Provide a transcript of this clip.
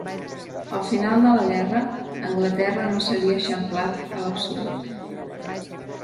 Al final de la guerra, Anglaterra no s'havia eixamplat a l'absolut.